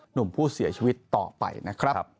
หนุ่มผู้เสียชีวิตต่อไปนะครับ